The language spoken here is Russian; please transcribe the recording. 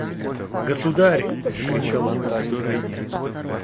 «Государь! – закричал он в исступлении.